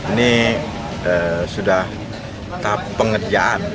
ini sudah tahap pengerjaan